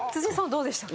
どうでしたか？